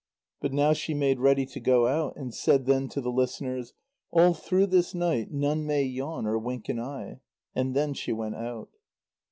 But now she made ready to go out, and said then to the listeners: "All through this night none may yawn or wink an eye." And then she went out.